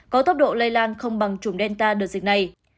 có tốc độ lây lan không bằng chủng delta đợt dịch này